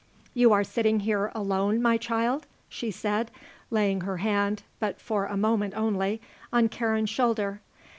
"You are sitting here, alone, my child?" she said, laying her hand, but for a moment only, on Karen's shoulder.